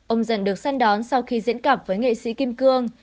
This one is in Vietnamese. ông dần được săn đón sau khi diễn cặp với nghệ sĩ kim cương